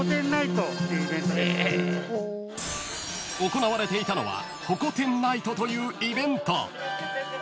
［行われていたのはホコ天ナイトというイベント］